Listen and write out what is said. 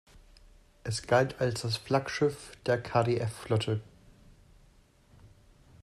Es galt als das Flaggschiff der KdF-Flotte.